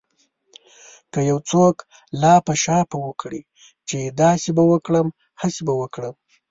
که يو څوک لاپه شاپه وکړي چې داسې به وکړم هسې به وکړم.